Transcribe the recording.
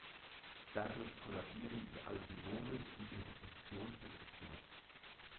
Dadurch kollabieren die Alveolen und ihre Funktion wird gestört.